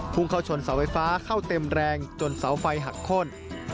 เข้าชนเสาไฟฟ้าเข้าเต็มแรงจนเสาไฟหักโค้น